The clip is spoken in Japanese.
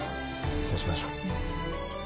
そうしましょう。